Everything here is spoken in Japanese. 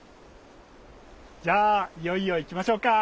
じゃあいよいよ行きましょうか。